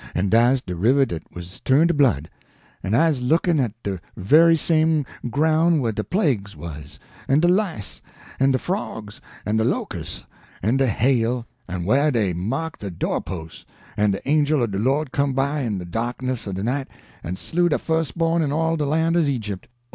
En dah's de river dat was turn' to blood, en I's looking at de very same groun' whah de plagues was, en de lice, en de frogs, en de locus', en de hail, en whah dey marked de door pos', en de angel o' de Lord come by in de darkness o' de night en slew de fust born in all de lan' o' Egypt.